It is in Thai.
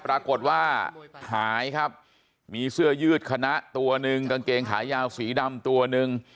ปรากฏว่าหายครับมีเสื้อยืดคณะตัวหนึ่งกางเกงขายาวสีดำตัวหนึ่ง